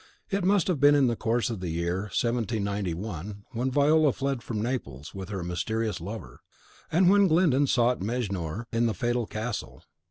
It must have been in the course of the year 1791 when Viola fled from Naples with her mysterious lover, and when Glyndon sought Mejnour in the fatal castle.